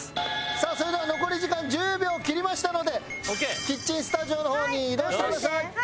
さあそれでは残り時間１０秒を切りましたのでキッチンスタジオの方に移動してください。